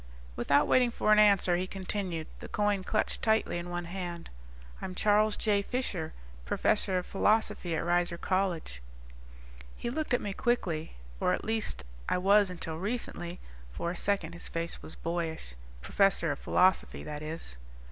Without waiting for an answer, he continued, the coin clutched tightly in one hand. "I'm Charles J. Fisher, professor of Philosophy at Reiser College." He looked at me quickly. "Or at least I was until recently." For a second his face was boyish. "Professor of Philosophy, that is."